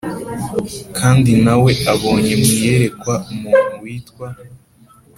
Kandi na we abonye mu iyerekwa umuntu witwa